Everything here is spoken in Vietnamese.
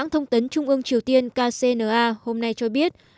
tổng thống kcna hôm nay cho biết